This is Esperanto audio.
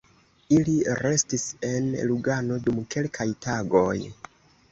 Ili restis en Lugano dum kelkaj tagoj.